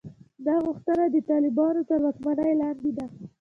دا غوښتنه د طالبانو تر واکمنۍ لاندې ده.